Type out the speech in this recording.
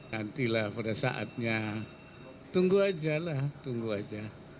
nanti lah pada saatnya tunggu aja lah tunggu aja